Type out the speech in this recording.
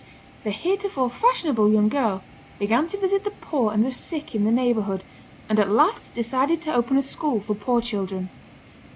The heretofore fashionable young girl began to visit the poor and the sick in the neighborhood, and at last decided to open a school for poor children.